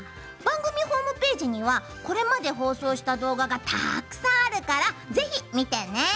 番組ホームページにはこれまで放送した動画がたくさんあるから、ぜひ見てね。